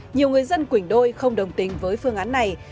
nhiều người dân quỳnh đôi không đồng tình với phương án này